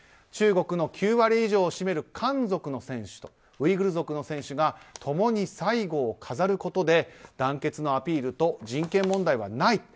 中国の９割以上を占める漢族の選手とウイグル族の選手が共に最後を飾ることで団結のアピールと人権問題はない。